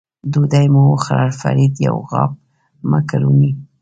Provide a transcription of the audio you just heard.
ډوډۍ مو وخوړل، فرید یو غاب مکروني.